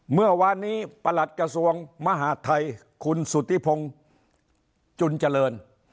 เมื่อวานนี้ประหลัดกระทรวงมหาดไทยคุณสุธิพงศ์จุนเจริญ